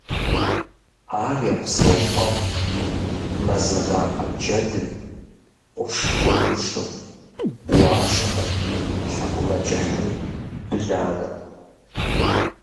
Ар я псэупӀэфӀт мэз адакъэ – джэдым, къурш гуэгушым, уашхэм, тхьэкӀумэкӀыхьым, бланэм.